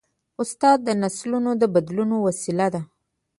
استاد د نسلونو د بدلون وسیله ده.